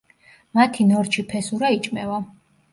მათი ნორჩი ფესურა იჭმევა.